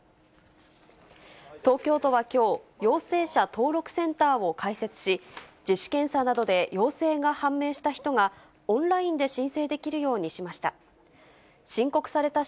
東京都はきょう、陽性者登録センターを開設し、自主検査などで陽性が判明した人が、オンラインで申請できるようにしました。